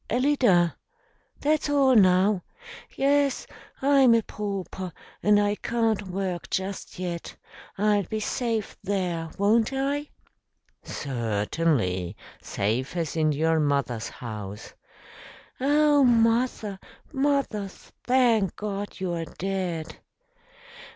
"Alida that's all now. Yes, I'm a pauper and I can't work just yet. I'll be safe there, won't I?" "Certainly, safe as in your mother's house." "Oh, mother, mother; thank God, you are dead!"